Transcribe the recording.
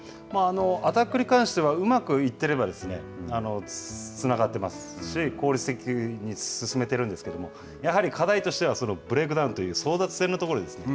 アタックに関しては、うまくいっていればつながっていますし、効率的に進めていくんですけれども、やはり課題としてはブレイクダウンという、争奪戦のところですね。